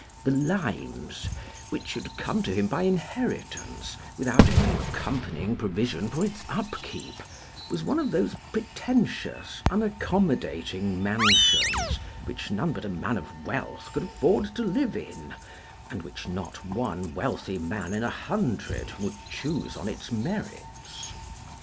"The Limes," which had come to him by inheritance without any accompanying provision for its upkeep, was one of those pretentious, unaccommodating mansions which none but a man of wealth could afford to live in, and which not one wealthy man in a hundred would choose on its merits.